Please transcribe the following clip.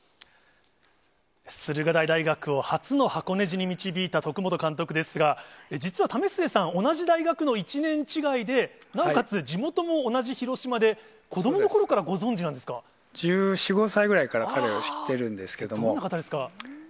駿河台大学を初の箱根路に導いた徳本監督ですが、実は為末さん、同じ大学の１年違いで、なおかつ、地元も同じ広島で、子どものころ１４、５歳ぐらいから彼を知どんな方ですか？